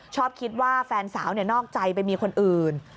ชอบคิดว่าแฟนสาวนอกใจไปมีคนอื่น